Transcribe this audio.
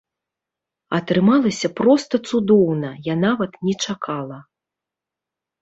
Атрымалася проста цудоўна, я нават не чакала.